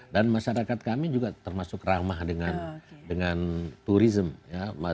dan masyarakat kami juga termasuk ramah dengan turisme